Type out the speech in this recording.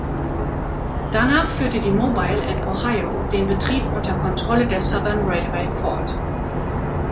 Danach führte die Mobile and Ohio den Betrieb unter Kontrolle der Southern Railway fort.